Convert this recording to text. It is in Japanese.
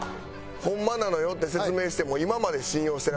ホンマなのよって説明しても今まで信用してなかったから。